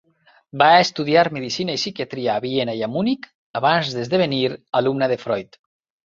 Va estudiar medicina i psiquiatria a Viena i a Munic, abans d'esdevenir alumna de Freud.